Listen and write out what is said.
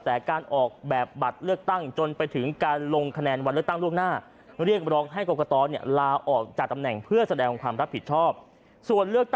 เท่ากันถึงสี่พันเจ็ดร้อยคนที่จะหลับตัวเล็กนิดเดียวมันเป็นทั้งทุกอะไรเพราะ